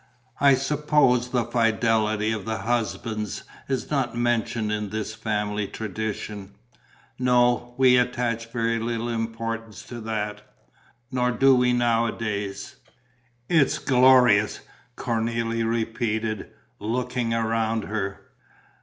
"I suppose the fidelity of the husbands is not mentioned in this family tradition?" "No, we attached very little importance to that ... nor do we nowadays...." "It's glorious," Cornélie repeated, locking around her.